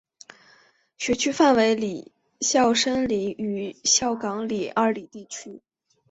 学区范围为孝深里与孝冈里二里地区。